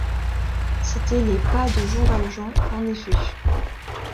C'étaient les pas de Jean Valjean en effet.